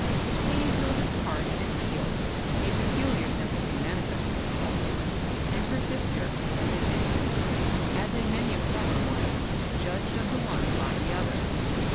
Between Hilda's heart and heeU a peculiar sympathy manifested itself; and her sister, in this instance, as in many a former one, judged of the one by the other.